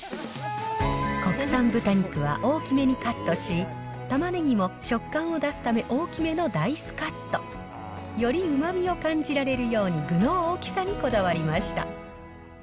国産豚肉は、大きめにカットし、たまねぎも食感を出すため、大きめのダイスカット。よりうまみを感じられるように、具の大きさにこだわりました。